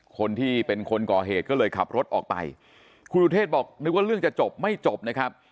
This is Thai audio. คนที่เป็นคนก่อเหตุก็เลยขับรถออกไปคุณอุเทศบอกนึกว่าเรื่องจะจบไม่จบนะครับ